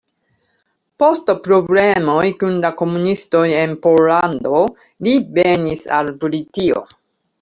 Post problemoj kun la komunistoj en Pollando li venis al Britio.